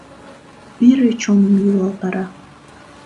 Пире чоным йӱлалтара.